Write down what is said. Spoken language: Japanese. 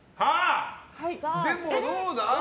でもどうだ？